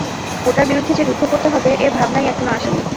ওটার বিরুদ্ধে যে যুদ্ধ করতে হবে, এ ভাবনাই এখনও আসেনি।